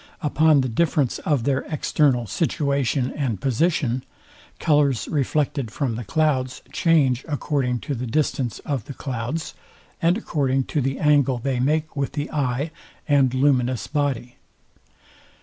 Upon the difference of their external situation and position: Colours reflected from the clouds change according to the distance of the clouds, and according to the angle they make with the eye and luminous body.